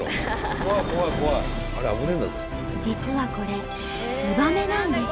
実はこれツバメなんです。